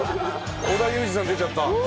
織田裕二さん出ちゃった。